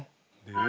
え！